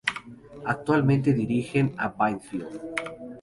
Actualmente dirigen a Banfield.